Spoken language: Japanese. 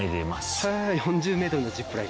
へ４０ｍのジップライン。